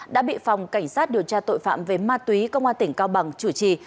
đã bị phòng cảnh sát điều tra tội phạm về ma túy công an tỉnh cao bằng chủ trì